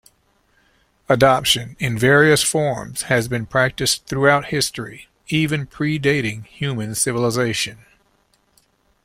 Adoption, in various forms, has been practiced throughout history, even predating human civilization.